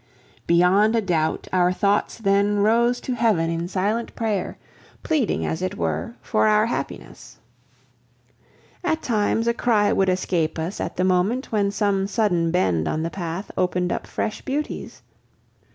Beyond a doubt our thoughts then rose to Heaven in silent prayer, pleading as it were, for our happiness. At times a cry would escape us at the moment when some sudden bend on the path opened up fresh beauties.